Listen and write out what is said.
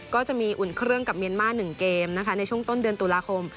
ก็จะมีอุ่นเครื่องกับเมียนมาร์๑เกมนะคะในช่วงต้นเดือนตุลาคม